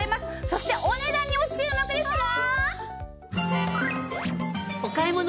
そしてお値段にも注目ですよ！